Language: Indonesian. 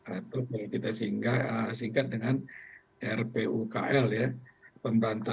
atau kita singkat dengan rpukl ya